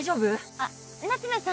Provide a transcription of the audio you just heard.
あっ夏梅さん